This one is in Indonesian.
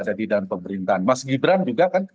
jadi dalam pemerintahan mas gibran juga kan